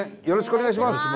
よろしくお願いします。